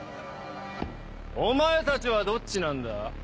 お前たちはどっちなんだ？